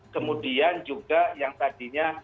kemudian juga yang tadinya